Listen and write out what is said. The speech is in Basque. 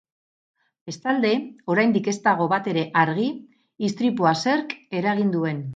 Bestalde, oraindik ez dago batere argi istripua zerk eragin duen.